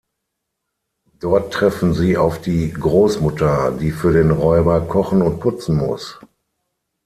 Dort treffen sie auf die Großmutter, die für den Räuber kochen und putzen muss.